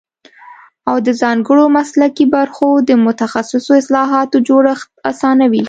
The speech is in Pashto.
او د ځانګړو مسلکي برخو د متخصصو اصطلاحاتو جوړښت اسانوي